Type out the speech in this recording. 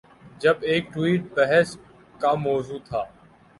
جب ایک ٹویٹ بحث کا مو ضوع تھا۔